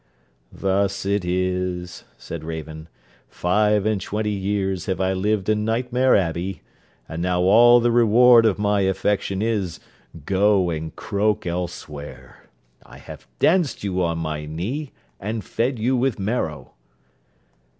'Thus it is,' said Raven. 'Five and twenty years have I lived in Nightmare Abbey, and now all the reward of my affection is Go, and croak elsewhere. I have danced you on my knee, and fed you with marrow.'